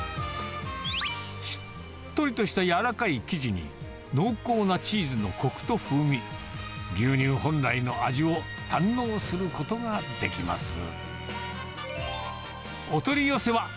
しっとりとした柔らかい生地に濃厚なチーズのこくと風味、牛乳本来の味を堪能することができます。